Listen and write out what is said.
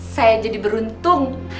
saya jadi beruntung